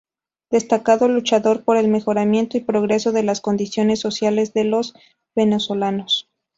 Destacado luchador por el mejoramiento y progreso de las condiciones sociales de los venezolanos.